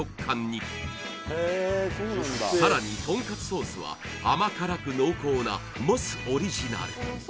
さらにトンカツソースは甘辛く濃厚なモスオリジナル